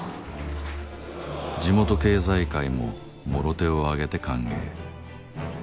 地元経済界ももろ手を挙げて歓迎。